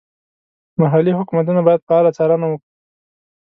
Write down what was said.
محلي حکومتونه باید فعاله څارنه وکړي.